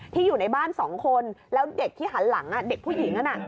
อยู่ในบ้าน๒คนแล้วเด็กที่หันหลังเด็กผู้หญิงนั้น